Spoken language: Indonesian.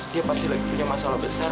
dia pasti lagi punya masalah besar